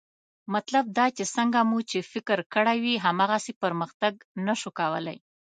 مطلب دا چې څنګه مو چې فکر کړی وي، هماغسې پرمختګ نه شو کولی